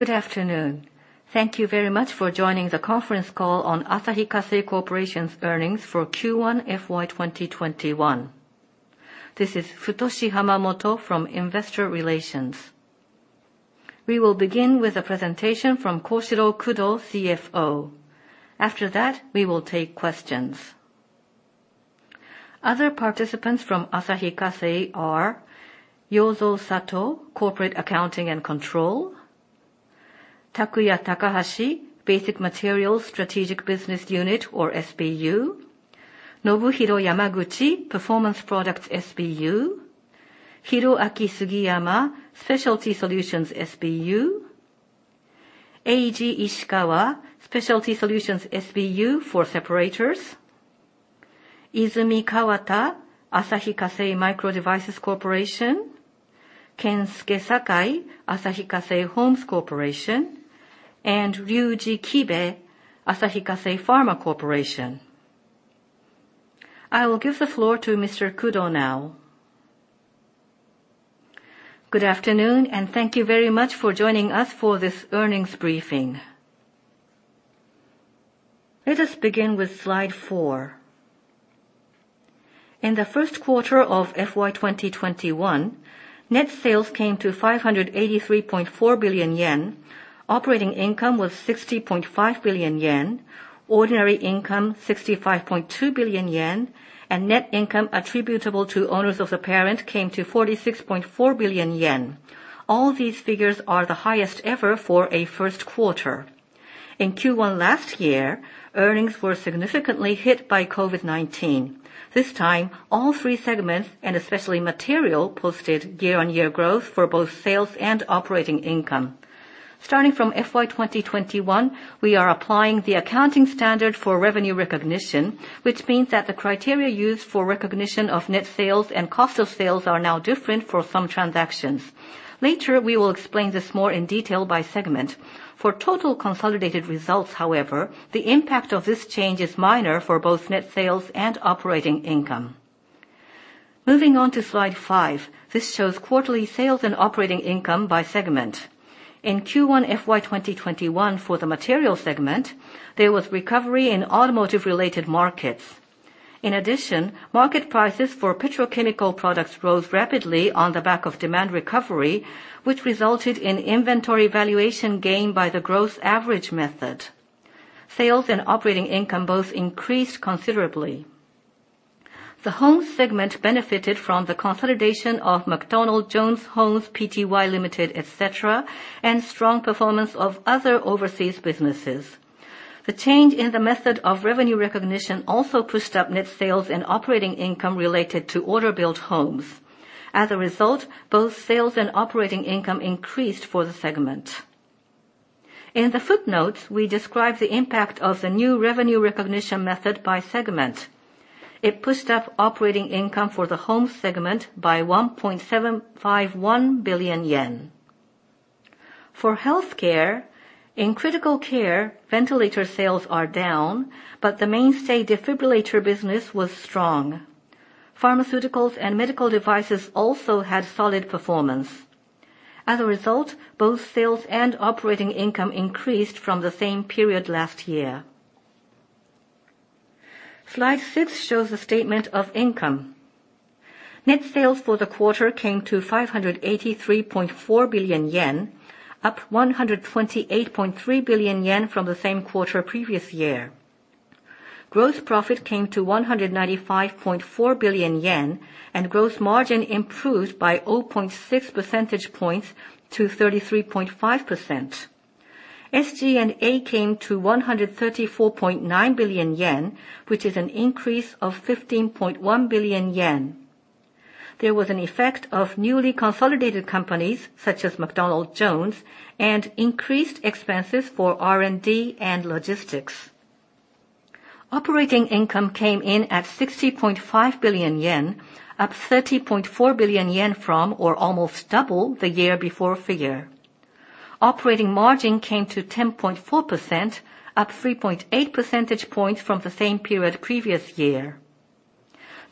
Good afternoon. Thank you very much for joining the conference call on Asahi Kasei Corporation's earnings for Q1 FY 2021. This is Futoshi Hamamoto from Investor Relations. We will begin with a presentation from Koshiro Kudo, CFO. After that, we will take questions. Other participants from Asahi Kasei are Yozo Sato, Corporate Accounting and Control, Takuya Takahashi, Basic Materials Strategic Business Unit, or SBU. Nobuhiro Yamaguchi, Performance Products SBU. Hiroaki Sugiyama, Specialty Solutions SBU. Eiji Ishikawa, Specialty Solutions SBU for Separators. Izumi Kawata, Asahi Kasei Microdevices Corporation. Kensuke Sakai, Asahi Kasei Homes Corporation, and Ryuji Kibe, Asahi Kasei Pharma Corporation. I will give the floor to Mr. Kudo now. Good afternoon. Thank you very much for joining us for this earnings briefing. Let us begin with slide four. In the first quarter of FY 2021, net sales came to 583.4 billion yen. Operating income was 60.5 billion yen. Ordinary income 65.2 billion yen. Net income attributable to owners of the parent came to 46.4 billion yen. All these figures are the highest ever for a first quarter. In Q1 last year, earnings were significantly hit by COVID-19. This time, all three segments, and especially Material, posted year-on-year growth for both sales and operating income. Starting from FY 2021, we are applying the accounting standard for revenue recognition, which means that the criteria used for recognition of net sales and cost of sales are now different for some transactions. Later, we will explain this more in detail by segment. For total consolidated results, however, the impact of this change is minor for both net sales and operating income. Moving on to slide five, this shows quarterly sales and operating income by segment. In Q1 FY 2021 for the Material segment, there was recovery in automotive-related markets. In addition, market prices for petrochemical products rose rapidly on the back of demand recovery, which resulted in inventory valuation gained by the gross average method. Sales and operating income both increased considerably. The Homes segment benefited from the consolidation of McDonald Jones Homes Pty Ltd, et cetera, and strong performance of other overseas businesses. The change in the method of revenue recognition also pushed up net sales and operating income related to order-built homes. As a result, both sales and operating income increased for the segment. In the footnotes, we describe the impact of the new revenue recognition method by segment. It pushed up operating income for the Homes segment by 1.751 billion yen. For Healthcare, in critical care, ventilator sales are down, but the mainstay defibrillator business was strong. Pharmaceuticals and medical devices also had solid performance. As a result, both sales and Operating income increased from the same period last year. Slide 6 shows the statement of income. Net sales for the quarter came to 583.4 billion yen, up 128.3 billion yen from the same quarter previous year. Gross profit came to 195.4 billion yen, and gross margin improved by 0.6 percentage points to 33.5%. SG&A came to 134.9 billion yen, which is an increase of 15.1 billion yen. There was an effect of newly consolidated companies such as McDonald Jones and increased expenses for R&D and logistics. Operating income came in at 60.5 billion yen, up 30.4 billion yen from, or almost double, the year before figure. operating margin came to 10.4%, up 3.8 percentage points from the same period previous year.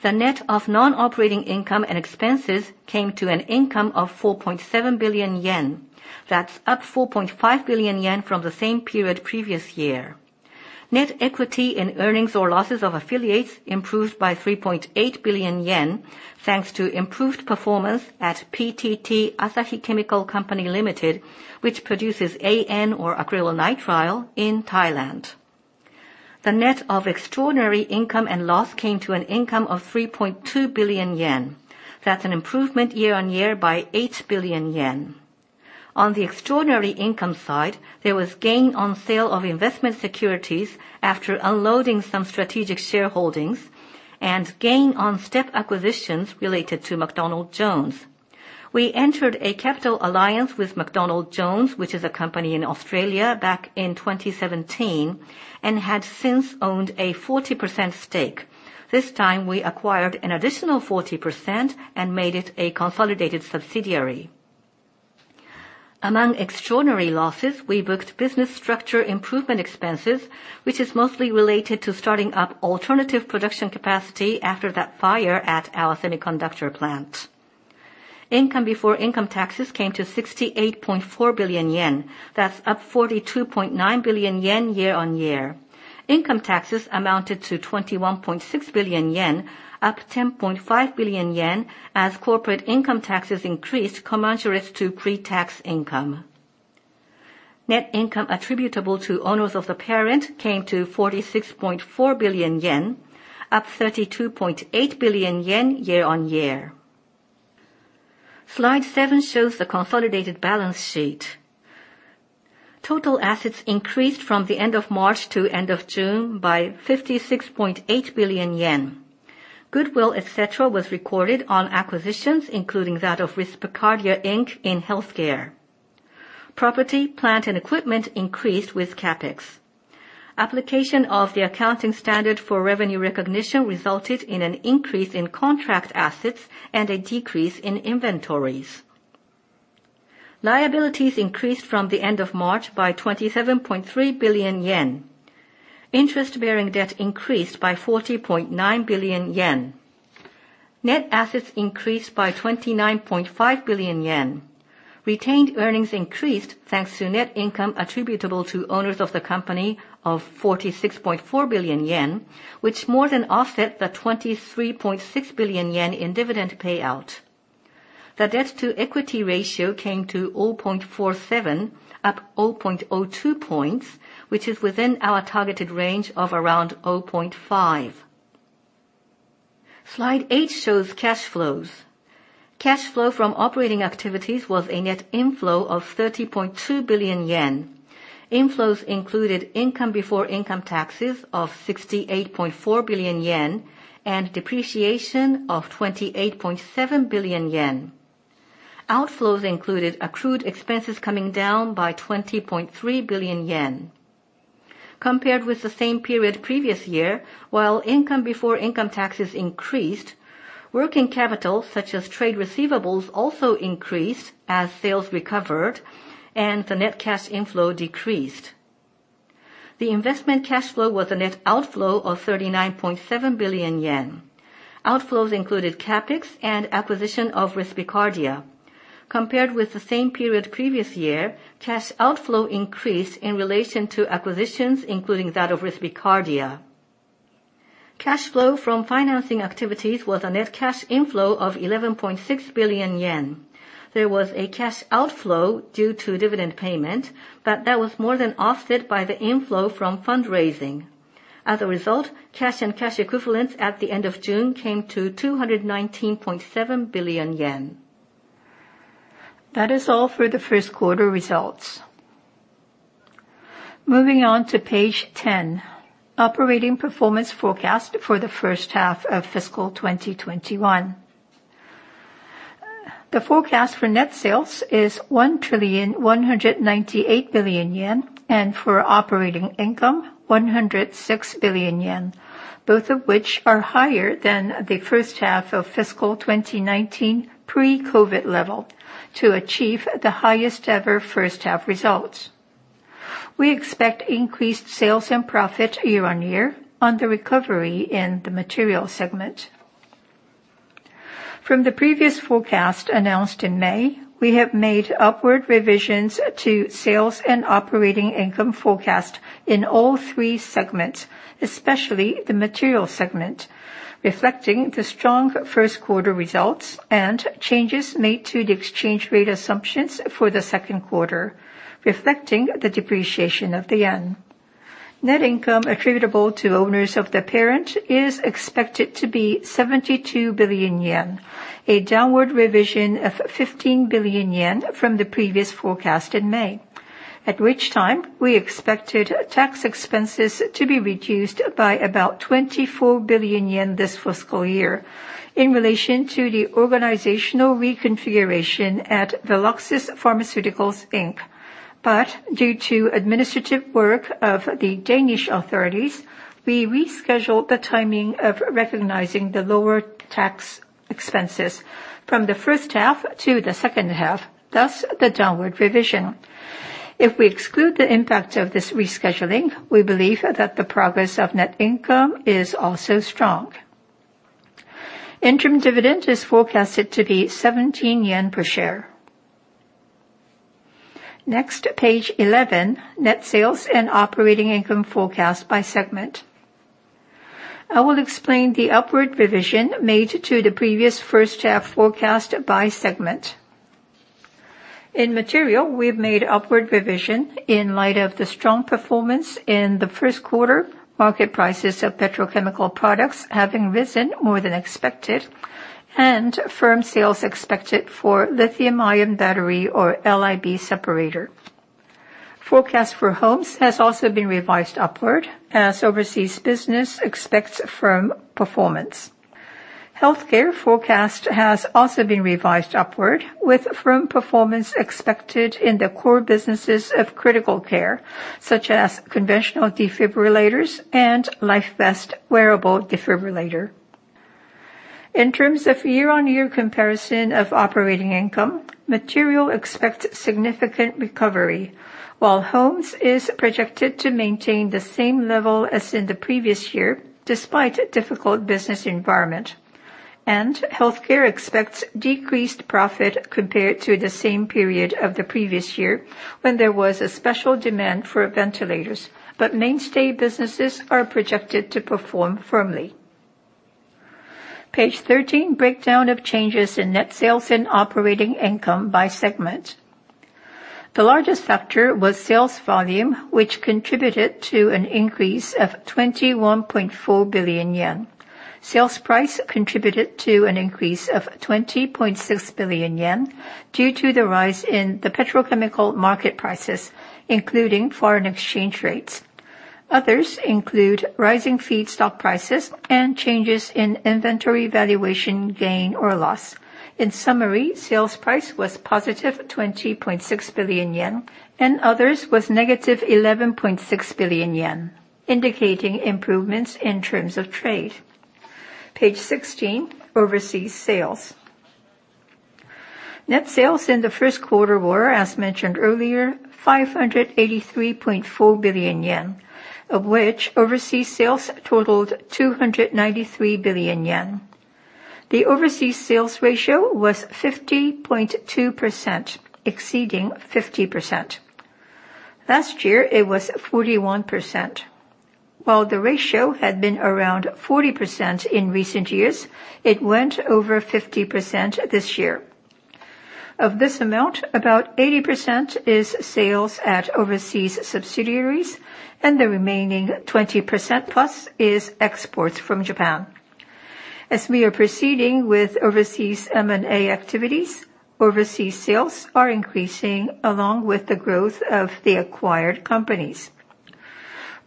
The net of non-operating income and expenses came to an income of 4.7 billion yen. That's up 4.5 billion yen from the same period previous year. Net equity and earnings or losses of affiliates improved by 3.8 billion yen, thanks to improved performance at PTT Asahi Chemical Company Limited, which produces AN, or acrylonitrile, in Thailand. The net of extraordinary income and loss came to an income of 3.2 billion yen. That's an improvement year-on-year by 8 billion yen. On the extraordinary income side, there was gain on sale of investment securities after unloading some strategic shareholdings and gain on step acquisitions related to McDonald Jones. We entered a capital alliance with McDonald Jones, which is a company in Australia back in 2017, and had since owned a 40% stake. This time we acquired an additional 40% and made it a consolidated subsidiary. Among extraordinary losses, we booked business structure improvement expenses, which is mostly related to starting up alternative production capacity after that fire at our semiconductor plant. Income before income taxes came to 68.4 billion yen. That's up 42.9 billion yen year-on-year. Income taxes amounted to 21.6 billion yen, up 10.5 billion yen, as corporate income taxes increased commensurate to pre-tax income. Net income attributable to owners of the parent came to 46.4 billion yen, up 32.8 billion yen year-on-year. Slide 7 shows the consolidated balance sheet. Total assets increased from the end of March to end of June by 56.8 billion yen. Goodwill, et cetera, was recorded on acquisitions, including that of Respicardia, Inc. in healthcare. Property, plant, and equipment increased with CapEx. Application of the accounting standard for revenue recognition resulted in an increase in contract assets and a decrease in inventories. Liabilities increased from the end of March by 27.3 billion yen. Interest-bearing debt increased by 40.9 billion yen. Net assets increased by 29.5 billion yen. Retained earnings increased thanks to net income attributable to owners of the company of 46.4 billion yen, which more than offset the 23.6 billion yen in dividend payout. The debt-to-equity ratio came to 0.47, up 0.02 points, which is within our targeted range of around 0.5. Slide eight shows cash flows. Cash flow from operating activities was a net inflow of 30.2 billion yen. Inflows included income before income taxes of 68.4 billion yen and depreciation of 28.7 billion yen. Outflows included accrued expenses coming down by 20.3 billion yen. Compared with the same period previous year, while income before income taxes increased, working capital, such as trade receivables, also increased as sales recovered and the net cash inflow decreased. The investment cash flow was a net outflow of 39.7 billion yen. Outflows included CapEx and acquisition of Respicardia. Compared with the same period previous year, cash outflow increased in relation to acquisitions, including that of Respicardia. Cash flow from financing activities was a net cash inflow of 11.6 billion yen. There was a cash outflow due to dividend payment, but that was more than offset by the inflow from fundraising. As a result, cash and cash equivalents at the end of June came to 219.7 billion yen. That is all for the first quarter results. Moving on to page 10, operating performance forecast for the first half of FY 2021. The forecast for net sales is 1,198 billion yen, and for operating income, 106 billion yen, both of which are higher than the first half of FY 2019 pre-COVID-19 level to achieve the highest-ever first-half results. We expect increased sales and profit year-on-year on the recovery in the material segment. From the previous forecast announced in May, we have made upward revisions to sales and operating income forecast in all three segments, especially the material segment, reflecting the strong first quarter results and changes made to the exchange rate assumptions for the second quarter, reflecting the depreciation of the yen. Net income attributable to owners of the parent is expected to be 72 billion yen, a downward revision of 15 billion yen from the previous forecast in May, at which time we expected tax expenses to be reduced by about 24 billion yen this fiscal year in relation to the organizational reconfiguration at Veloxis Pharmaceuticals, Inc. Due to administrative work of the Danish authorities, we rescheduled the timing of recognizing the lower tax expenses from the first half to the second half, thus the downward revision. If we exclude the impact of this rescheduling, we believe that the progress of net income is also strong. Interim dividend is forecasted to be 17 yen per share. Next, page 11, net sales and operating income forecast by segment. I will explain the upward revision made to the previous first half forecast by segment. In Material, we've made upward revision in light of the strong performance in the first quarter, market prices of petrochemical products having risen more than expected, and firm sales expected for lithium-ion battery, or LIB, separator. Forecast for Homes has also been revised upward as overseas business expects firm performance. Healthcare forecast has also been revised upward with firm performance expected in the core businesses of critical care, such as conventional defibrillators and LifeVest wearable defibrillator. In terms of year-on-year comparison of operating income, Material expects significant recovery, while Homes is projected to maintain the same level as in the previous year, despite a difficult business environment. Healthcare expects decreased profit compared to the same period of the previous year, when there was a special demand for ventilators. Mainstay businesses are projected to perform firmly. Page 13: breakdown of changes in net sales and operating income by segment. The largest factor was sales volume, which contributed to an increase of 21.4 billion yen. Sales price contributed to an increase of 20.6 billion yen, due to the rise in the petrochemical market prices, including foreign exchange rates. Others include rising feedstock prices and changes in inventory valuation gain or loss. In summary, sales price was positive 20.6 billion yen, and others was negative 11.6 billion yen, indicating improvements in terms of trade. Page 16: overseas sales. Net sales in the first quarter were, as mentioned earlier, 583.4 billion yen, of which overseas sales totaled 293 billion yen. The overseas sales ratio was 50.2%, exceeding 50%. Last year, it was 41%. While the ratio had been around 40% in recent years, it went over 50% this year. Of this amount, about 80% is sales at overseas subsidiaries, and the remaining 20%-plus is exports from Japan. As we are proceeding with overseas M&A activities, overseas sales are increasing along with the growth of the acquired companies.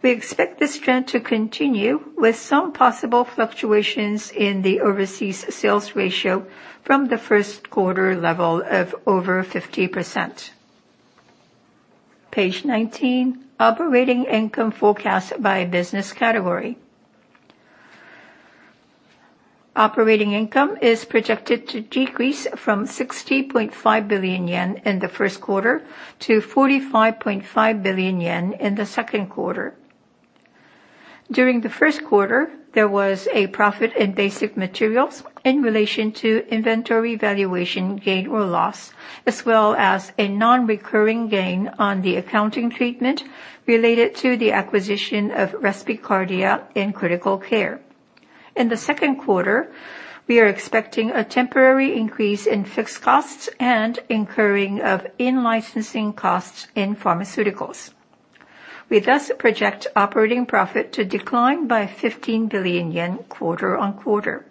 We expect this trend to continue with some possible fluctuations in the overseas sales ratio from the first quarter level of over 50%. Page 19: operating income forecast by business category. Operating income is projected to decrease from 60.5 billion yen in the first quarter to 45.5 billion yen in the second quarter. During the first quarter, there was a profit in Basic Materials in relation to inventory valuation gain or loss, as well as a non-recurring gain on the accounting treatment related to the acquisition of Respicardia in critical care. In the second quarter, we are expecting a temporary increase in fixed costs and incurring of in-licensing costs in Pharmaceuticals. We thus project operating profit to decline by 15 billion yen quarter-on-quarter.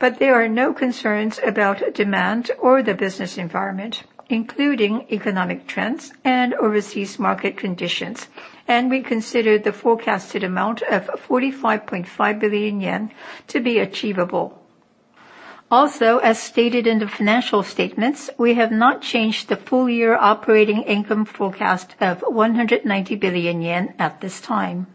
There are no concerns about demand or the business environment, including economic trends and overseas market conditions, and we consider the forecasted amount of 45.5 billion yen to be achievable. Also, as stated in the financial statements, we have not changed the full-year operating income forecast of 190 billion yen at this time.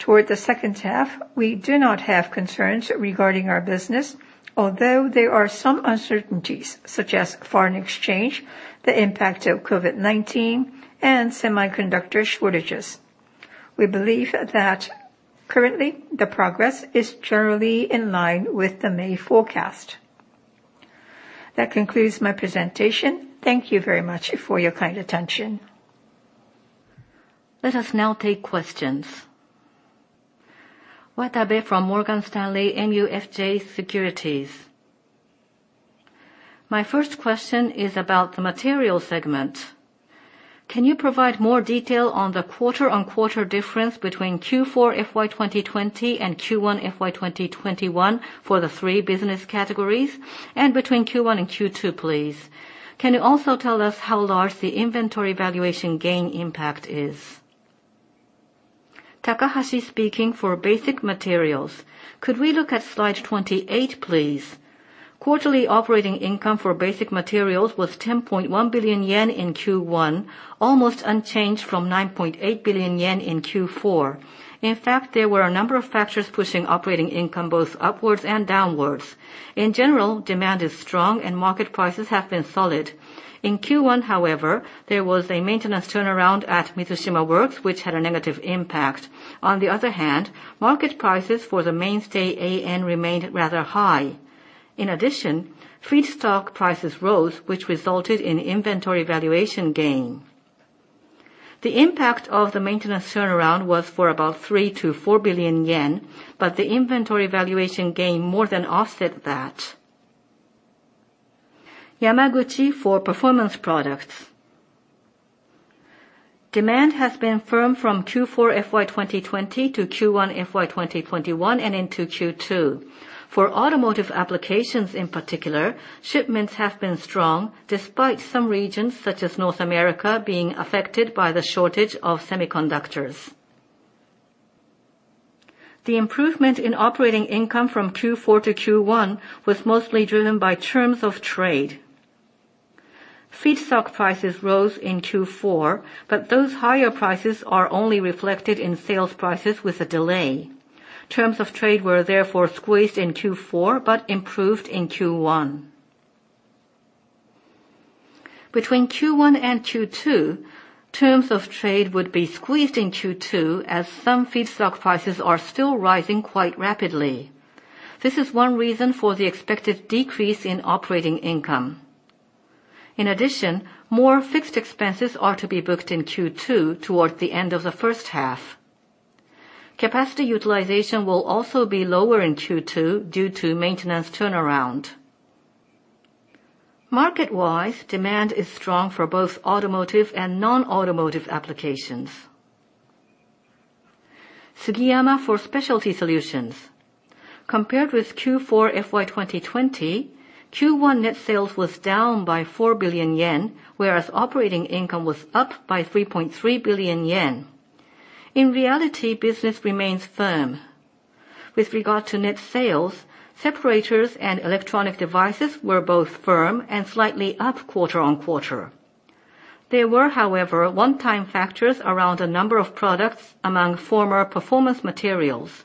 Toward the second half, we do not have concerns regarding our business, although there are some uncertainties such as foreign exchange, the impact of COVID-19, and semiconductor shortages. We believe that currently, the progress is generally in line with the May forecast. That concludes my presentation. Thank you very much for your kind attention. Let us now take questions. Watanabe from Morgan Stanley MUFG Securities. My first question is about the materials segment. Can you provide more detail on the quarter-on-quarter difference between Q4 FY 2020 and Q1 FY 2021 for the three business categories, and between Q1 and Q2, please? Can you also tell us how large the inventory valuation gain impact is? Takahashi speaking for Basic Materials. Could we look at slide 28, please? Quarterly operating income for Basic Materials was 10.1 billion yen in Q1, almost unchanged from 9.8 billion yen in Q4. In fact, there were a number of factors pushing operating income both upwards and downwards. In general, demand is strong and market prices have been solid. In Q1, however, there was a maintenance turnaround at Mizushima works, which had a negative impact. On the other hand, market prices for the mainstay AN remained rather high. In addition, feedstock prices rose, which resulted in inventory valuation gain. The impact of the maintenance turnaround was for about 3 billion-4 billion yen, but the inventory valuation gain more than offset that. Yamaguchi for Performance Products. Demand has been firm from Q4 FY 2020 to Q1 FY 2021 and into Q2. For automotive applications in particular, shipments have been strong despite some regions, such as North America, being affected by the shortage of semiconductors. The improvement in operating income from Q4 to Q1 was mostly driven by terms of trade. Feedstock prices rose in Q4, but those higher prices are only reflected in sales prices with a delay. Terms of trade were therefore squeezed in Q4, but improved in Q1. Between Q1 and Q2, terms of trade would be squeezed in Q2 as some feedstock prices are still rising quite rapidly. This is one reason for the expected decrease in operating income. In addition, more fixed expenses are to be booked in Q2 toward the end of the first half. Capacity utilization will also be lower in Q2 due to maintenance turnaround. Market-wise, demand is strong for both automotive and non-automotive applications. Sugiyama for Specialty Solutions. Compared with Q4 FY 2020, Q1 net sales was down by 4 billion yen, whereas operating income was up by 3.3 billion yen. In reality, business remains firm. With regard to net sales, separators and electronic devices were both firm and slightly up quarter-on-quarter. There were, however, one-time factors around a number of products among former performance materials.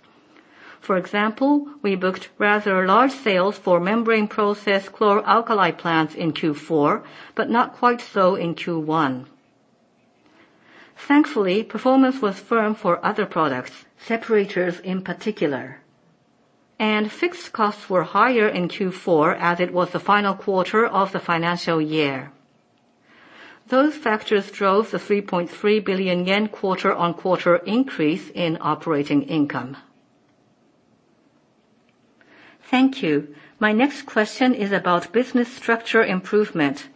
For example, we booked rather large sales for membrane process chloralkali plants in Q4, but not quite so in Q1. Thankfully, performance was firm for other products, separators in particular. Fixed costs were higher in Q4 as it was the final quarter of the financial year. Those factors drove the 3.3 billion yen quarter-on-quarter increase in operating income. Thank you. My next question is about business structure improvement.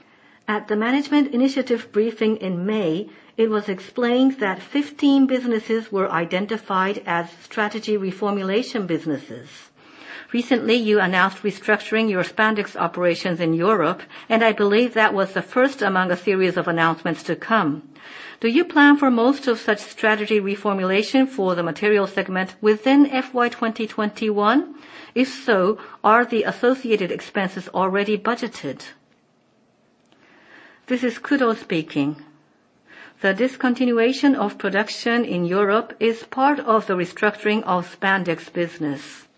At the management initiative briefing in May, it was explained that 15 businesses were identified as strategy reformulation businesses. Recently, you announced restructuring your spandex operations in Europe, and I believe that was the first among a series of announcements to come. Do you plan for most of such strategy reformulation for the material segment within FY 2021? If so, are the associated expenses already budgeted? This is Kudo speaking. The discontinuation of production in Europe is part of the restructuring of spandex business.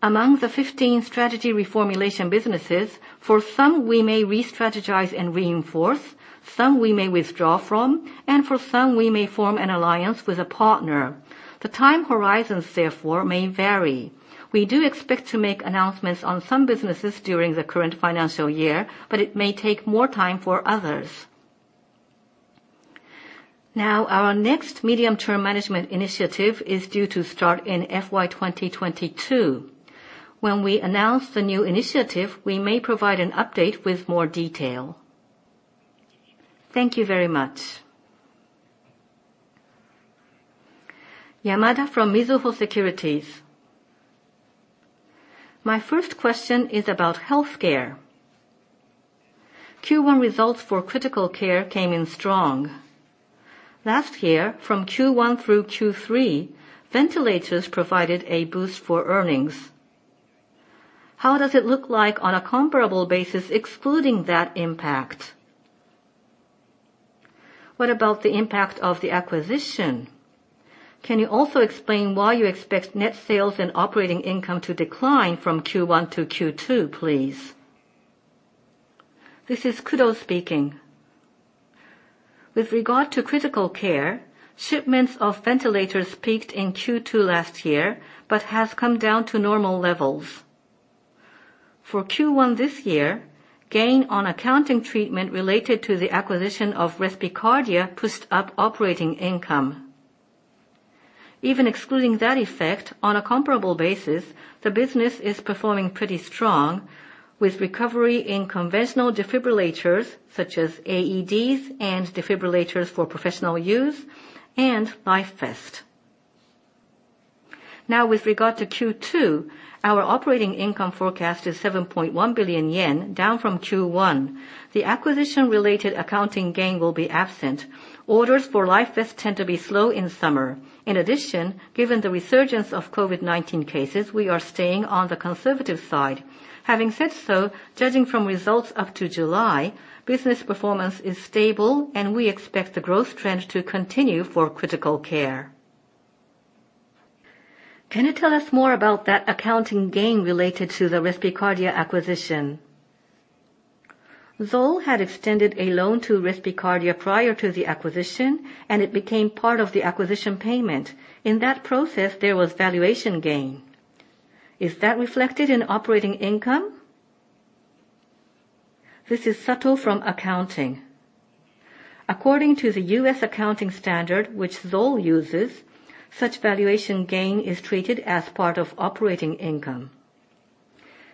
Among the 15 strategy reformulation businesses, for some, we may re-strategize and reinforce, some we may withdraw from, and for some, we may form an alliance with a partner. The time horizons, therefore, may vary. We do expect to make announcements on some businesses during the current financial year, but it may take more time for others. Now, our next medium-term management initiative is due to start in FY 2022. When we announce the new initiative, we may provide an update with more detail. Thank you very much. Yamada from Mizuho Securities. My first question is about healthcare. Q1 results for critical care came in strong. Last year, from Q1 through Q3, ventilators provided a boost for earnings. How does it look like on a comparable basis excluding that impact? What about the impact of the acquisition? Can you also explain why you expect net sales and operating income to decline from Q1 to Q2, please? This is Kudo speaking. With regard to critical care, shipments of ventilators peaked in Q2 last year, but has come down to normal levels. For Q1 this year, gain on accounting treatment related to the acquisition of Respicardia pushed up operating income. Even excluding that effect, on a comparable basis, the business is performing pretty strong with recovery in conventional defibrillators such as AEDs and defibrillators for professional use and LifeVest. With regard to Q2, our operating income forecast is 7.1 billion yen, down from Q1. The acquisition-related accounting gain will be absent. Orders for LifeVest tend to be slow in summer. Given the resurgence of COVID-19 cases, we are staying on the conservative side. Having said so, judging from results up to July, business performance is stable, and we expect the growth trend to continue for critical care. Can you tell us more about that accounting gain related to the Respicardia acquisition? ZOLL had extended a loan to Respicardia prior to the acquisition, and it became part of the acquisition payment. In that process, there was valuation gain. Is that reflected in operating income? This is Sato from Accounting. According to the U.S. accounting standard, which ZOLL uses, such valuation gain is treated as part of operating income.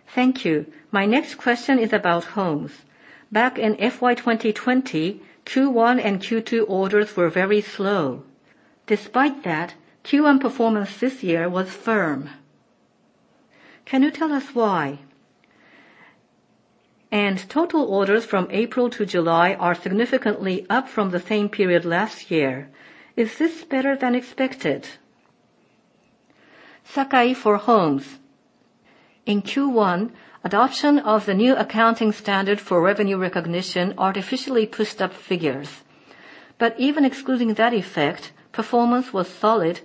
Thank you. My next question is about Homes. Back in FY 2020, Q1 and Q2 orders were very slow. Despite that, Q1 performance this year was firm. Can you tell us why? Total orders from April to July are significantly up from the same period last year. Is this better than expected? Sakai for Homes. In Q1, adoption of the new accounting standard for revenue recognition artificially pushed up figures. Even excluding that effect, performance was solid,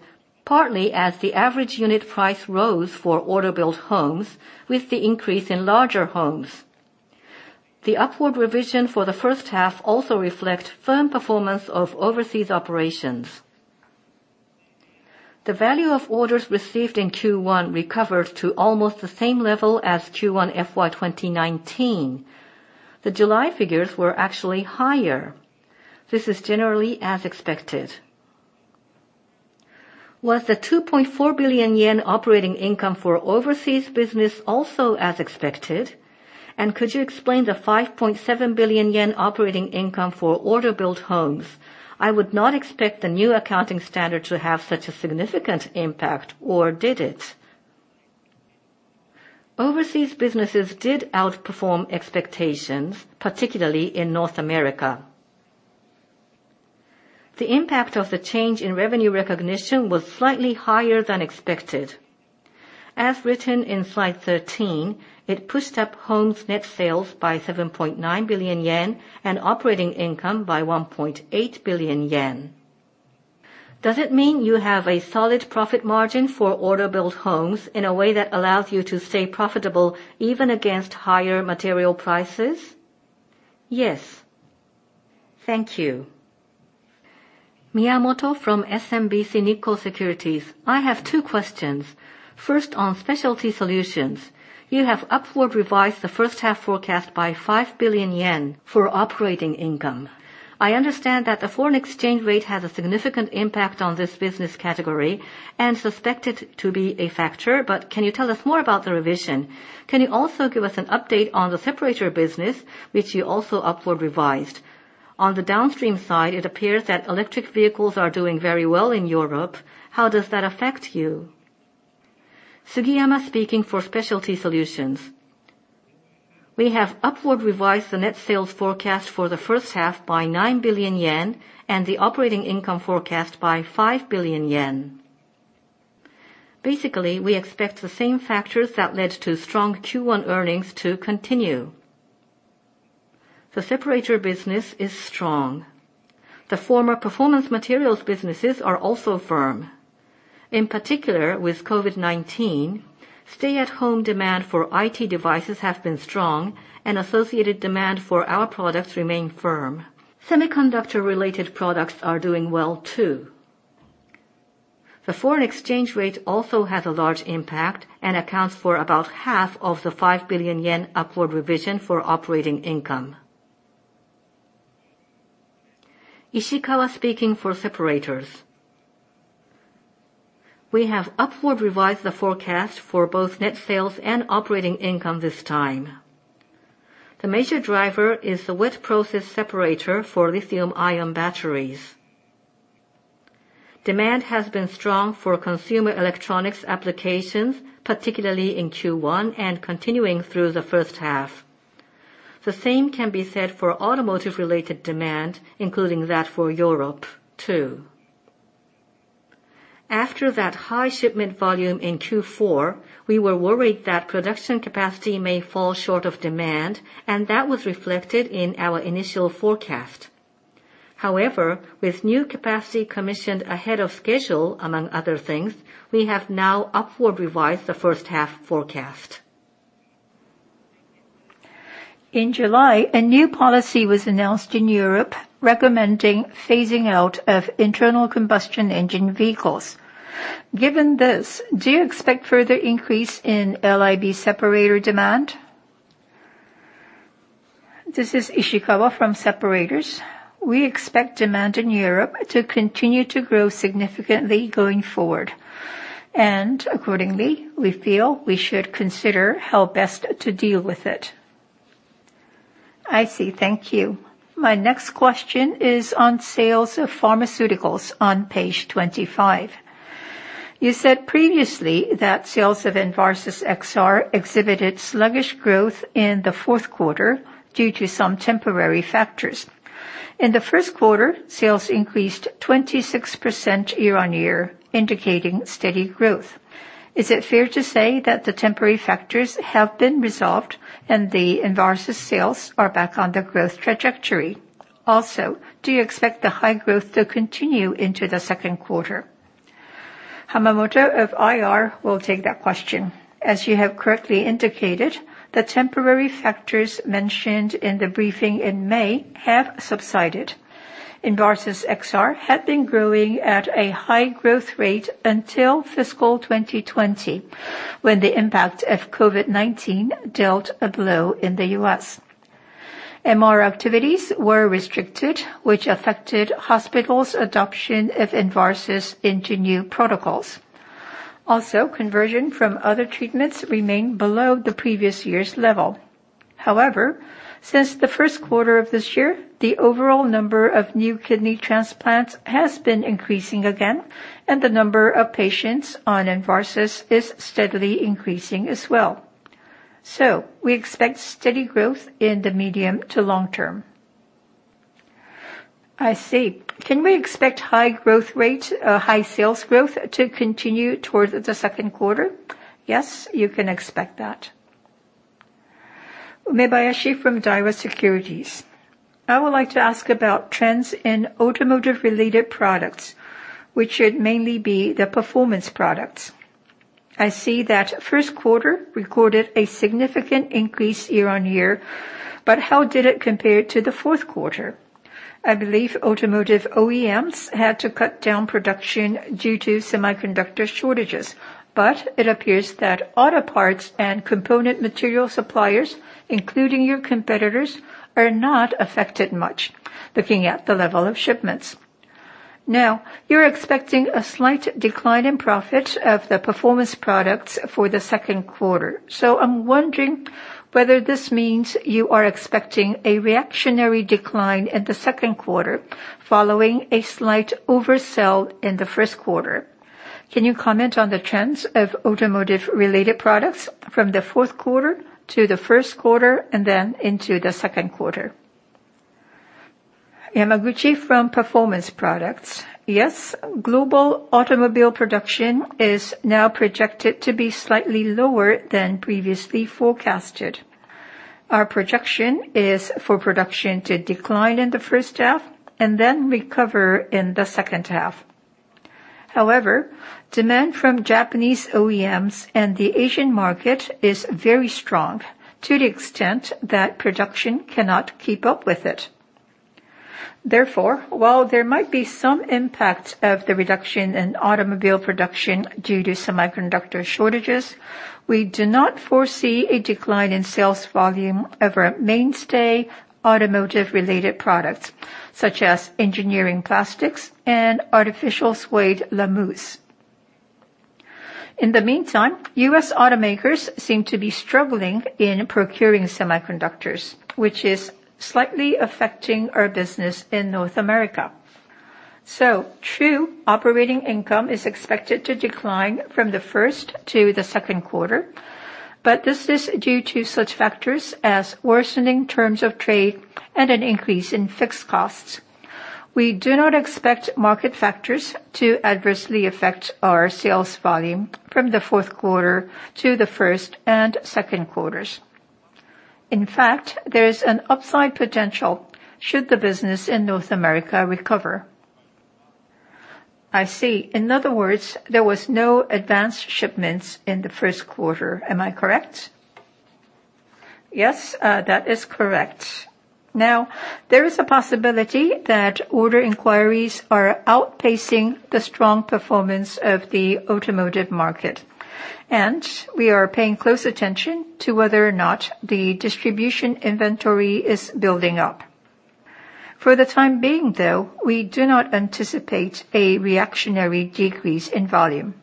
partly as the average unit price rose for order-built homes with the increase in larger homes. The upward revision for the first half also reflect firm performance of overseas operations. The value of orders received in Q1 recovered to almost the same level as Q1 FY 2019. The July figures were actually higher. This is generally as expected. Was the 2.4 billion yen operating income for overseas business also as expected? Could you explain the 5.7 billion yen operating income for order-built homes? I would not expect the new accounting standard to have such a significant impact, or did it? Overseas businesses did outperform expectations, particularly in North America. The impact of the change in revenue recognition was slightly higher than expected. As written in slide 13, it pushed up Homes net sales by 7.9 billion yen and operating income by 1.8 billion yen. Does it mean you have a solid profit margin for order-built homes in a way that allows you to stay profitable even against higher material prices? Yes. Thank you. Miyamoto from SMBC Nikko Securities. I have two questions. First, on Specialty Solutions, you have upward revised the first-half forecast by 5 billion yen for operating income. I understand that the foreign exchange rate has a significant impact on this business category and suspect it to be a factor. Can you tell us more about the revision? Can you also give us an update on the separator business, which you also upward revised? On the downstream side, it appears that electric vehicles are doing very well in Europe. How does that affect you? Sugiyama speaking for Specialty Solutions. We have upward revised the net sales forecast for the first half by 9 billion yen and the operating income forecast by 5 billion yen. Basically, we expect the same factors that led to strong Q1 earnings to continue. The separator business is strong. The former performance materials businesses are also firm. In particular, with COVID-19, stay-at-home demand for IT devices has been strong and associated demand for our products remain firm. Semiconductor-related products are doing well, too. The foreign exchange rate also has a large impact and accounts for about half of the 5 billion yen upward revision for operating income. Ishikawa speaking for separators. We have upward revised the forecast for both net sales and operating income this time. The major driver is the wet process separator for lithium-ion batteries. Demand has been strong for consumer electronics applications, particularly in Q1 and continuing through the first half. The same can be said for automotive-related demand, including that for Europe, too. After that high shipment volume in Q4, we were worried that production capacity may fall short of demand, and that was reflected in our initial forecast. With new capacity commissioned ahead of schedule, among other things, we have now upward revised the first-half forecast. In July, a new policy was announced in Europe recommending phasing out of internal combustion engine vehicles. Given this, do you expect further increase in LIB separator demand? This is Ishikawa from separators. We expect demand in Europe to continue to grow significantly going forward. Accordingly, we feel we should consider how best to deal with it. I see. Thank you. My next question is on sales of pharmaceuticals on page 25. You said previously that sales of ENVARSUS XR exhibited sluggish growth in the fourth quarter due to some temporary factors. In the first quarter, sales increased 26% year-on-year, indicating steady growth. Is it fair to say that the temporary factors have been resolved and the ENVARSUS sales are back on the growth trajectory? Also, do you expect the high growth to continue into the second quarter? Hamamoto of IR will take that question. As you have correctly indicated, the temporary factors mentioned in the briefing in May have subsided. ENVARSUS XR had been growing at a high growth rate until fiscal 2020, when the impact of COVID-19 dealt a blow in the U.S. MR activities were restricted, which affected hospitals' adoption of ENVARSUS into new protocols. Conversion from other treatments remained below the previous year's level. Since the first quarter of this year, the overall number of new kidney transplants has been increasing again, and the number of patients on ENVARSUS is steadily increasing as well. We expect steady growth in the medium to long term. I see. Can we expect high sales growth to continue towards the second quarter? Yes, you can expect that. Umebayashi from Daiwa Securities. I would like to ask about trends in automotive-related products, which should mainly be the Performance Products. I see that first quarter recorded a significant increase year-on-year, how did it compare to the fourth quarter? I believe automotive OEMs had to cut down production due to semiconductor shortages, but it appears that auto parts and component material suppliers, including your competitors, are not affected much, looking at the level of shipments. Now, you're expecting a slight decline in profit of the Performance Products for the second quarter. I'm wondering whether this means you are expecting a reactionary decline in the second quarter following a slight oversell in the first quarter. Can you comment on the trends of automotive-related products from the fourth quarter to the first quarter, and then into the second quarter? Yamaguchi from Performance Products. Yes, global automobile production is now projected to be slightly lower than previously forecasted. Our projection is for production to decline in the first half and then recover in the second half. However, demand from Japanese OEMs and the Asian market is very strong to the extent that production cannot keep up with it. Therefore, while there might be some impact of the reduction in automobile production due to semiconductor shortages, we do not foresee a decline in sales volume of our mainstay automotive-related products, such as engineering plastics and artificial suede, Lamous. In the meantime, U.S. automakers seem to be struggling in procuring semiconductors, which is slightly affecting our business in North America. True, operating income is expected to decline from the first to the second quarter, but this is due to such factors as worsening terms of trade and an increase in fixed costs. We do not expect market factors to adversely affect our sales volume from the fourth quarter to the first and second quarters. In fact, there is an upside potential should the business in North America recover. I see. In other words, there was no advanced shipments in the first quarter. Am I correct? Yes, that is correct. There is a possibility that order inquiries are outpacing the strong performance of the automotive market, and we are paying close attention to whether or not the distribution inventory is building up. For the time being, though, we do not anticipate a reactionary decrease in volume.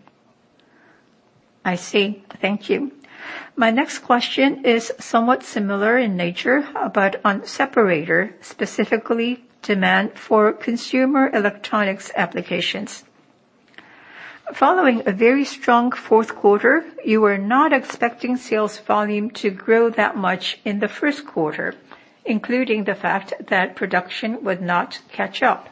I see. Thank you. My next question is somewhat similar in nature, but on separator, specifically demand for consumer electronics applications. Following a very strong fourth quarter, you were not expecting sales volume to grow that much in the first quarter, including the fact that production would not catch up.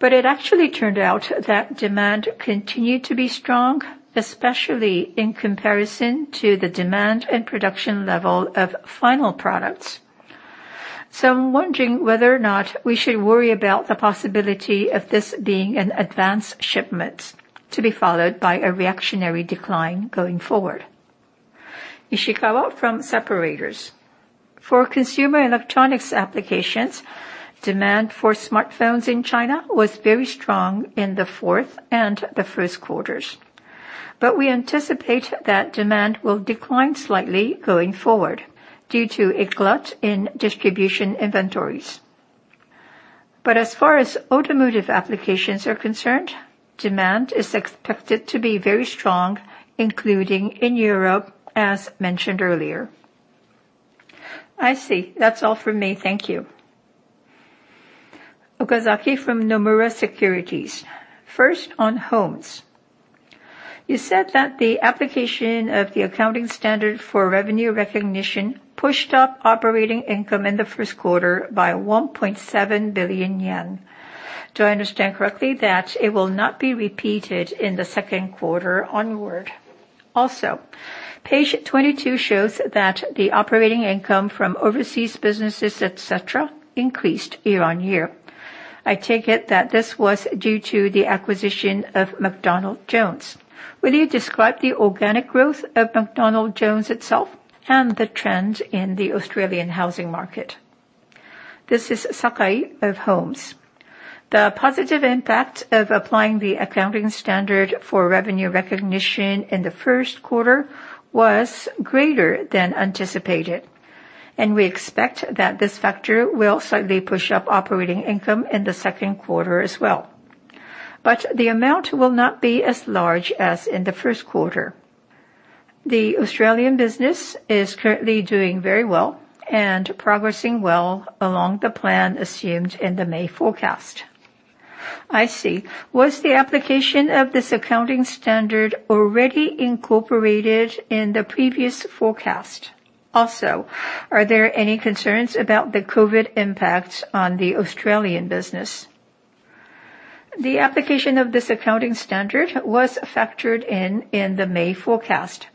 It actually turned out that demand continued to be strong, especially in comparison to the demand and production level of final products. I'm wondering whether or not we should worry about the possibility of this being an advance shipment to be followed by a reactionary decline going forward. Ishikawa from Separators. For consumer electronics applications, demand for smartphones in China was very strong in the fourth and the first quarters. We anticipate that demand will decline slightly going forward due to a glut in distribution inventories. As far as automotive applications are concerned, demand is expected to be very strong, including in Europe, as mentioned earlier. I see. That's all from me. Thank you. Okazaki from Nomura Securities. First on homes. You said that the application of the accounting standard for revenue recognition pushed up operating income in the first quarter by 1.7 billion yen. Do I understand correctly that it will not be repeated in the second quarter onward? Page 22 shows that the operating income from overseas businesses, et cetera, increased year-over-year. I take it that this was due to the acquisition of McDonald Jones. Will you describe the organic growth of McDonald Jones itself and the trend in the Australian housing market? This is Sakai of Homes. The positive impact of applying the accounting standard for revenue recognition in the first quarter was greater than anticipated, and we expect that this factor will slightly push up operating income in the second quarter as well. The amount will not be as large as in the first quarter. The Australian business is currently doing very well and progressing well along the plan assumed in the May forecast. I see. Was the application of this accounting standard already incorporated in the previous forecast? Also, are there any concerns about the COVID impact on the Australian business? The application of this accounting standard was factored in in the May forecast.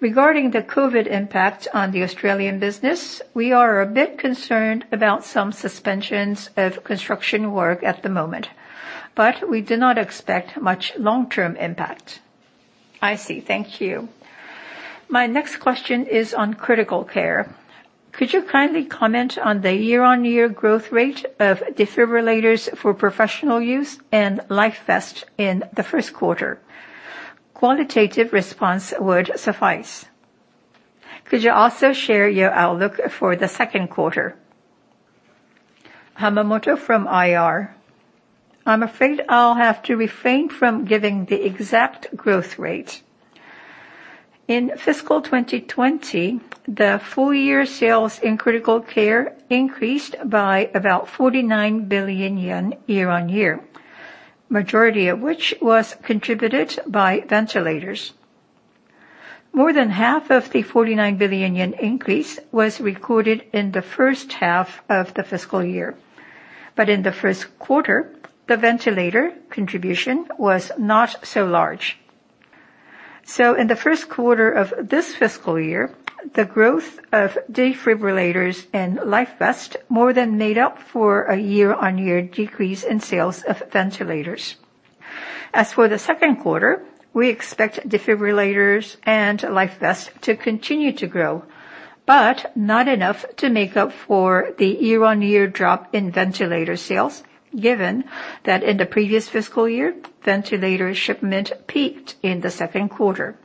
Regarding the COVID impact on the Australian business, we are a bit concerned about some suspensions of construction work at the moment, but we do not expect much long-term impact. I see. Thank you. My next question is on critical care. Could you kindly comment on the year-on-year growth rate of defibrillators for professional use and LifeVest in the first quarter? Qualitative response would suffice. Could you also share your outlook for the second quarter? Hamamoto from IR. I'm afraid I'll have to refrain from giving the exact growth rate. In FY 2020, the full year sales in critical care increased by about 49 billion yen year-over-year, majority of which was contributed by ventilators. More than half of the 49 billion yen increase was recorded in the first half of the fiscal year. In the first quarter, the ventilator contribution was not so large. In the first quarter of this fiscal year, the growth of defibrillators and LifeVest more than made up for a year-over-year decrease in sales of ventilators. As for the second quarter, we expect defibrillators and LifeVest to continue to grow, but not enough to make up for the year-over-year drop in ventilator sales, given that in the previous fiscal year, ventilator shipment peaked in the second quarter,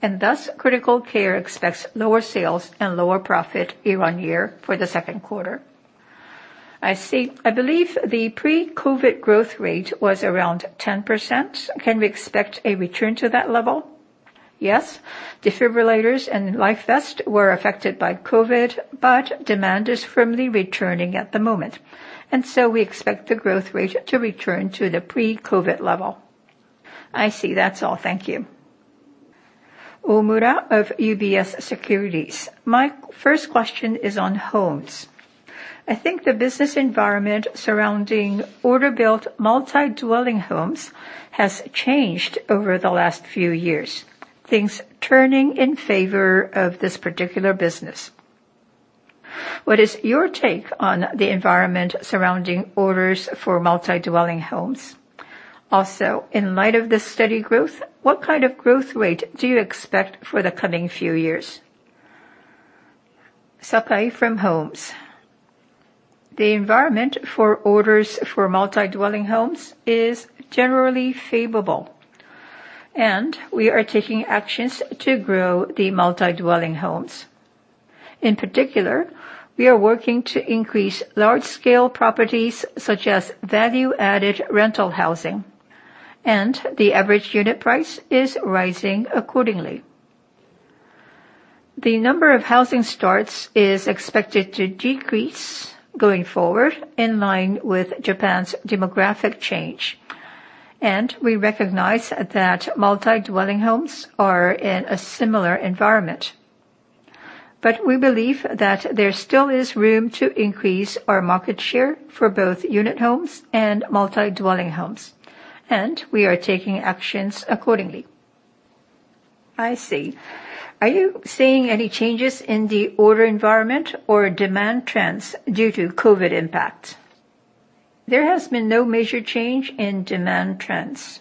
and thus, critical care expects lower sales and lower profit year-over-year for the second quarter. I see. I believe the pre-COVID growth rate was around 10%. Can we expect a return to that level? Yes. Defibrillators and LifeVest were affected by COVID, but demand is firmly returning at the moment, and so we expect the growth rate to return to the pre-COVID level. I see. That's all. Thank you. Omura of UBS Securities. My first question is on Homes. I think the business environment surrounding order built multi-dwelling homes has changed over the last few years, things turning in favor of this particular business. What is your take on the environment surrounding orders for multi-dwelling homes? Also, in light of this steady growth, what kind of growth rate do you expect for the coming few years? Sakai from Homes. The environment for orders for multi-dwelling homes is generally favorable, and we are taking actions to grow the multi-dwelling homes. In particular, we are working to increase large-scale properties such as value-added rental housing, and the average unit price is rising accordingly. The number of housing starts is expected to decrease going forward in line with Japan's demographic change, and we recognize that multi-dwelling homes are in a similar environment. We believe that there still is room to increase our market share for both unit homes and multi-dwelling homes, and we are taking actions accordingly. I see. Are you seeing any changes in the order environment or demand trends due to COVID-19 impact? There has been no major change in demand trends,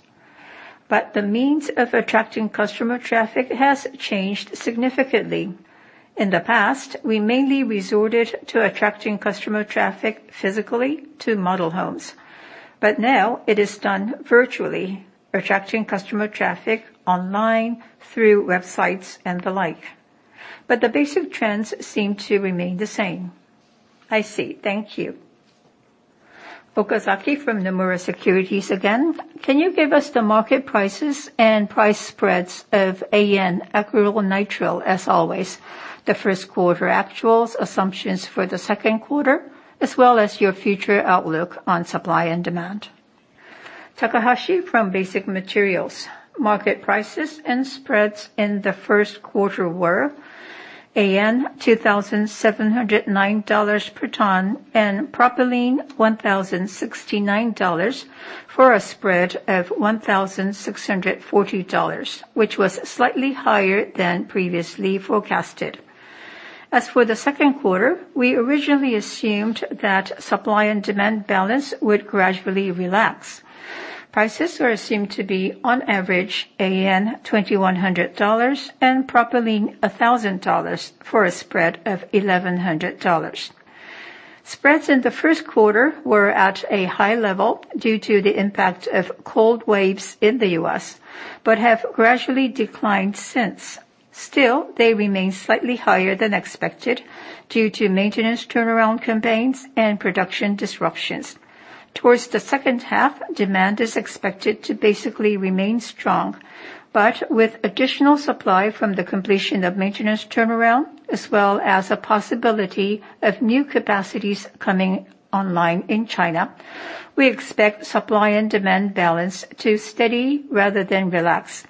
but the means of attracting customer traffic has changed significantly. In the past, we mainly resorted to attracting customer traffic physically to model homes, but now it is done virtually, attracting customer traffic online through websites and the like. The basic trends seem to remain the same. I see. Thank you. Okazaki from Nomura Securities again. Can you give us the market prices and price spreads of AN, acrylonitrile, as always, the first quarter actuals, assumptions for the second quarter, as well as your future outlook on supply and demand? Takahashi from Basic Materials. Market prices and spreads in the first quarter were AN $2,709 per ton and propylene $1,069 for a spread of $1,640, which was slightly higher than previously forecasted. For the second quarter, we originally assumed that supply and demand balance would gradually relax. Prices are assumed to be, on average AN $2,100 and propylene $1,000 for a spread of $1,100. Spreads in the first quarter were at a high level due to the impact of cold waves in the U.S., but have gradually declined since. Still, they remain slightly higher than expected due to maintenance turnaround campaigns and production disruptions. With additional supply from the completion of maintenance turnaround, as well as a possibility of new capacities coming online in China, we expect supply and demand balance to steady rather than relax.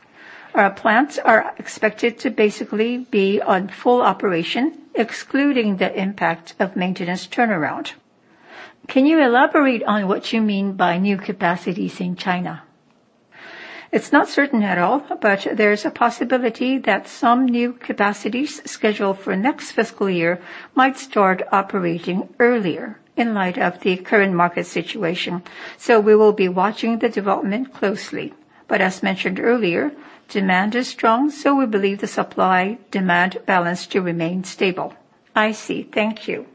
Our plants are expected to basically be on full operation, excluding the impact of maintenance turnaround. Can you elaborate on what you mean by new capacities in China? It's not certain at all, there's a possibility that some new capacities scheduled for next fiscal year might start operating earlier in light of the current market situation. We will be watching the development closely. As mentioned earlier, demand is strong, we believe the supply-demand balance to remain stable. I see. Thank you.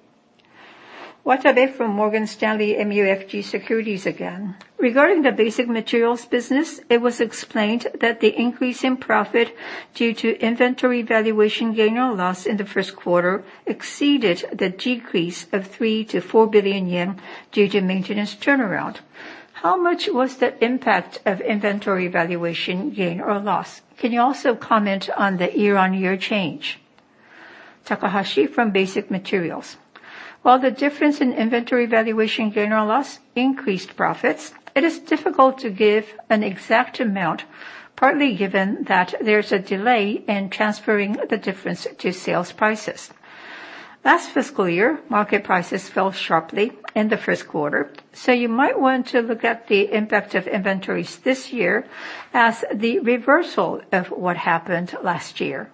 Watabe from Morgan Stanley MUFG Securities again. Regarding the Basic Materials business, it was explained that the increase in profit due to inventory valuation gain or loss in the first quarter exceeded the decrease of 3 billion to 4 billion yen due to maintenance turnaround. How much was the impact of inventory valuation gain or loss? Can you also comment on the year-on-year change? Takahashi from Basic Materials. While the difference in inventory valuation gain or loss increased profits, it is difficult to give an exact amount, partly given that there's a delay in transferring the difference to sales prices. Last fiscal year, market prices fell sharply in the first quarter, so you might want to look at the impact of inventories this year as the reversal of what happened last year.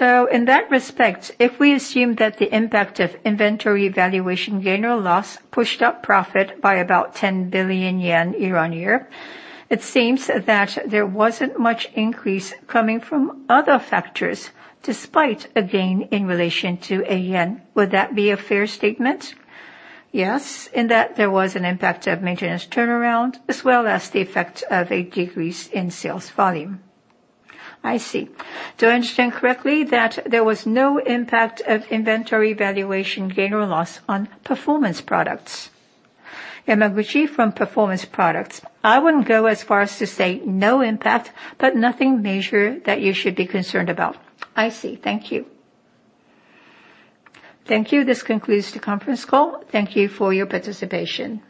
In that respect, if we assume that the impact of inventory valuation gain or loss pushed up profit by about 10 billion yen year-on-year, it seems that there wasn't much increase coming from other factors despite a gain in relation to yen. Would that be a fair statement? Yes, in that there was an impact of maintenance turnaround as well as the effect of a decrease in sales volume. I see. Do I understand correctly that there was no impact of inventory valuation gain or loss on Performance Products? Yamaguchi from Performance Products. I wouldn't go as far as to say no impact, but nothing major that you should be concerned about. I see. Thank you. Thank you. This concludes the conference call. Thank you for your participation.